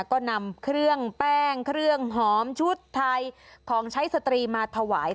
ก็นำเครื่องแป้งเครื่องหอมชุดไทยของใช้สตรีมาถวาย